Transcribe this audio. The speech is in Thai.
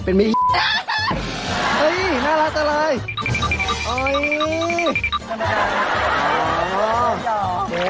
โอ้โห